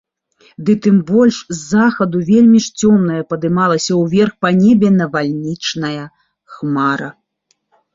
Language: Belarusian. Ды тым больш з захаду вельмі ж цёмная падымалася ўверх па небе навальнічная хмара.